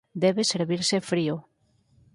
Debe servirse frío.